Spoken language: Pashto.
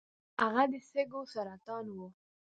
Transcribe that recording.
هغه د سږو سرطان و .